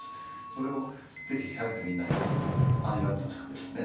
それを是非社員のみんなにも味わってほしくてですね